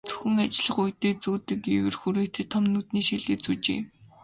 Зөвхөн ажиллах үедээ зүүдэг эвэр хүрээтэй том нүдний шилээ зүүжээ.